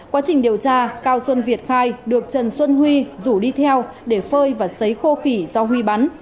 quá trình điều tra cao xuân việt khai được trần xuân huy rủ đi theo để phơi và xấy khô khỉ do huy bắn